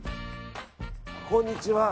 こんにちは。